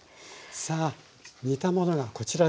さあ煮た物がこちらですね。